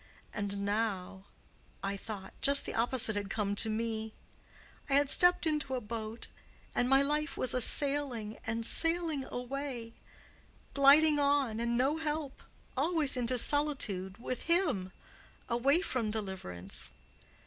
And now, I thought, just the opposite had come to me. I had stepped into a boat, and my life was a sailing and sailing away—gliding on and no help—always into solitude with him, away from deliverance.